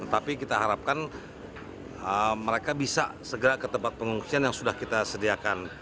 tapi kita harapkan mereka bisa segera ke tempat pengungsian yang sudah kita sediakan